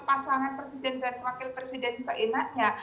pasangan presiden dan wakil presiden seenaknya